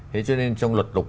thế cho nên trong luật lục